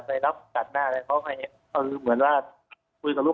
จะไปรับจัดหน้าเลยเขาให้เขาลูกค้าว่าให้รับตรงนี้